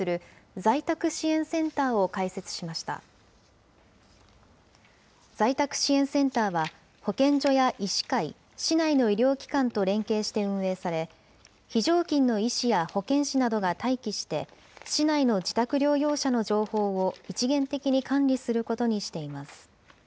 在宅支援センターは、保健所や医師会、市内の医療機関と連携して運営され、非常勤の医師や保健師などが待機して、市内の自宅療養者の情報を一元的に管理することにしています。